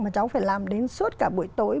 mà cháu phải làm đến suốt cả buổi tối